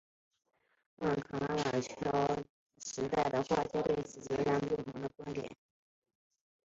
卡拉瓦乔同时代的画家对此持截然不同的两种观点。